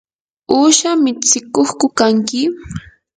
¿uusha mitsikuqku kanki?